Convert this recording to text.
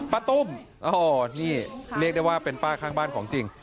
ตุ้มโอ้โหนี่เรียกได้ว่าเป็นป้าข้างบ้านของจริง